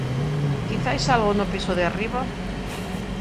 “Quizais algo no piso de arriba?”